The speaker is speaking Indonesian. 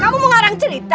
kamu mau ngarang cerita